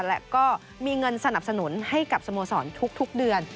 และก็มีเงินสนับสนุนให้กับสโมสรทุกเดือน